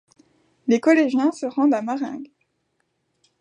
Les collégiens se rendent à Maringues.